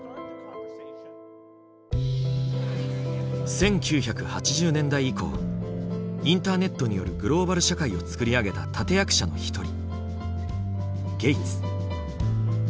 １９８０年代以降インターネットによるグローバル社会を作り上げた立て役者の一人ゲイツ。